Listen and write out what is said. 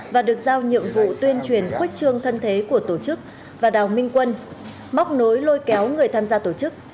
và được giao nhiệm vụ tuyên truyền khuếch trương thân thế của tổ chức và đào minh quân móc nối lôi kéo người tham gia tổ chức